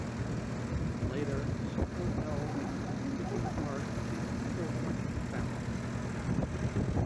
Later Circle L engines became part of the Ecoflex family.